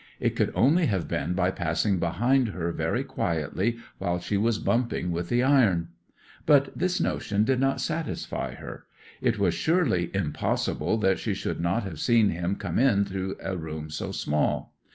It could only have been by passing behind her very quietly while she was bumping with the iron. But this notion did not satisfy her: it was surely impossible that she should not have seen him come in through a room so small.